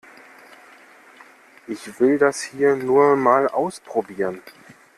Ich will das hier nur mal ausprobieren.